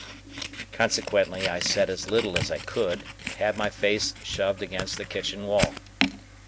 Consequently, I said as little as I could, and had my face shoved against the kitchen wall.